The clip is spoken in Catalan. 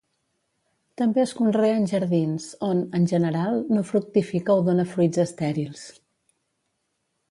També es conrea en jardins, on, en general, no fructifica o dóna fruits estèrils.